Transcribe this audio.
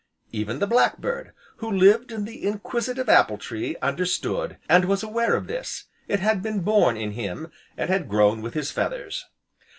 Even the Black bird, who lived in the inquisitive apple tree, understood, and was aware of this, it had been born in him, and had grown with his feathers.